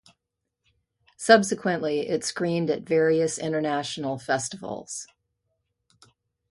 Subsequently, it screened at various international festivals.